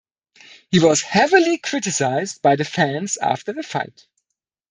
He was heavily criticized by the fans after the fight.